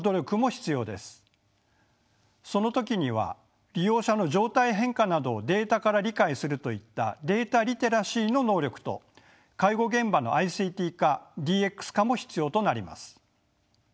その時には利用者の状態変化などをデータから理解するといったデータ・リテラシーの能力と介護現場のＩＣＴ化・ＤＸ化も必要となります。